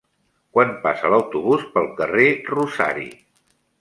Quan passa l'autobús pel carrer Rosari?